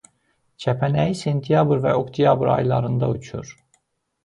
Kəpənəyi sentyabr və oktyabr aylarında uçur.